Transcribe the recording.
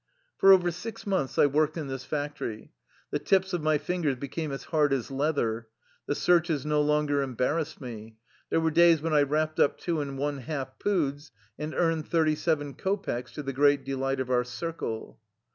For over six months I worked in this factory. The tips of my fingers became as hard as leather. The searches no longer embarrassed me. There were days when I wrapped up two and one half poods and earned thirty seven kopecks, to the great delight of our circle.